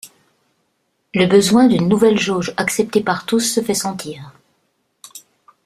Le besoin d'une nouvelle jauge acceptée par tous se fait sentir.